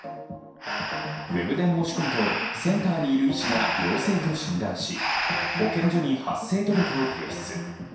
ウェブで申し込むと、センターにいる医師が陽性と診断し、保健所に発生届を提出。